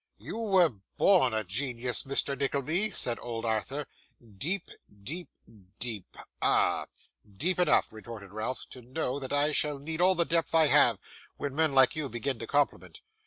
'You were born a genius, Mr. Nickleby,' said old Arthur. 'Deep, deep, deep. Ah!' 'Deep enough,' retorted Ralph, 'to know that I shall need all the depth I have, when men like you begin to compliment.